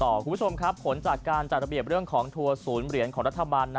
คุณผู้ชมครับผลจากการจัดระเบียบเรื่องของทัวร์ศูนย์เหรียญของรัฐบาล